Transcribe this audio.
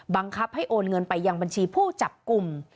บังคับให้โอนเงินไปยังบัญชีผู้จับกลุ่ม